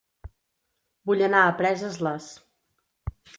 Vull anar a Preses, les